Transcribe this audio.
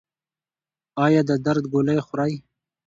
ایا د درد ګولۍ خورئ؟